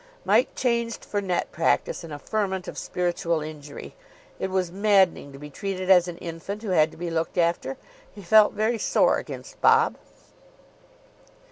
Mike changed for net practice in a ferment of spiritual injury. It was maddening to be treated as an infant who had to be looked after. He felt very sore against Bob.